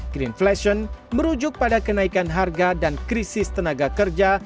greenflation merujuk pada kenaikan harga dan krisis tenaga kerja